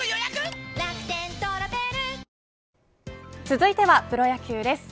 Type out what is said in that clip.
続いてはプロ野球です。